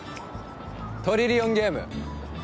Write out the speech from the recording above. トリリオンゲーム。